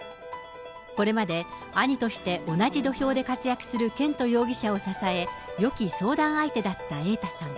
これまで兄として同じ土俵で活躍する絢斗容疑者を支え、よき相談相手だった瑛太さん。